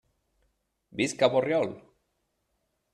Visca Borriol!